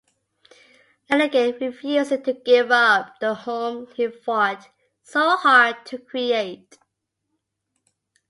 Leiningen refuses to give up the home he fought so hard to create.